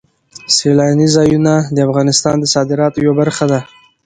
سیلاني ځایونه د افغانستان د صادراتو یوه برخه ده.